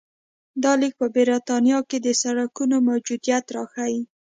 دا لیک په برېټانیا کې د سړکونو موجودیت راښيي